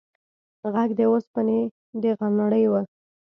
غږ د اوسپنې د غنړې و.